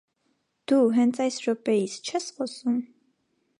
- Դո՛ւ, հենց այս րոպեիս - չե՞ս խոսում: